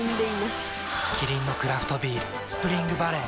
キリンのクラフトビール「スプリングバレー」